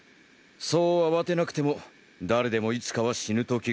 そう慌てなくても誰でもいつかは死ぬ時が来る。